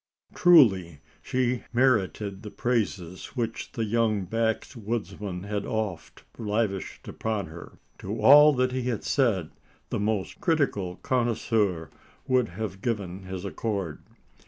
Truly had she merited the praises which the young backwoodsman had oft lavished upon her. To all that he had said the most critical connoisseur would have given his accord.